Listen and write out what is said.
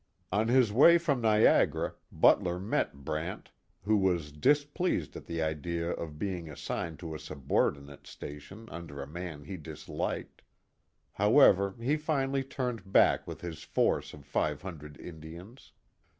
On his way from Niagara, Butler met Brant, who was dis pleased at the idea of being assigned to a subordinate station under a man he disliked. However, he finally turned back with his force of five hundred Indians.